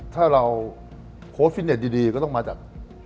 ถ้าเราโค้ชฟิตเนทดีก็ต้องมาจาก